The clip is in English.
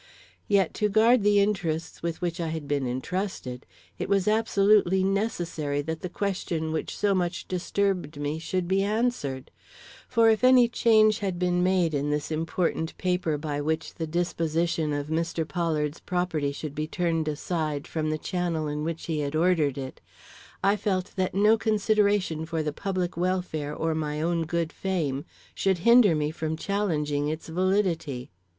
Yet to guard the interests with which I had been entrusted, it was absolutely necessary that the question which so much disturbed me should be answered. For, if any change had been made in this important paper by which the disposition of Mr. Pollard's property should be turned aside from the channel in which he had ordered it, I felt that no consideration for the public welfare or my own good fame should hinder me from challenging its validity.